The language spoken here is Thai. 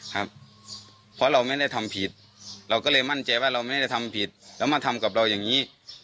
ครับเพราะเราไม่ได้ทำผิดเราก็เลยมั่นใจว่าเราไม่ได้ทำผิดแล้วมาทำกับเราอย่างนี้